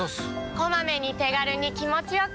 こまめに手軽に気持ちよく。